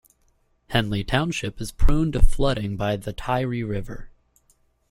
Henley township is prone to flooding by the Taieri River.